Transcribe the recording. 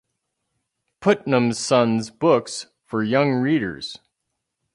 Putnam's Sons Books for Young Readers.